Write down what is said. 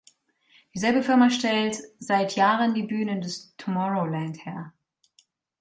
Dieselbe Firma stellt seit Jahren die Bühnen des Tomorrowland her.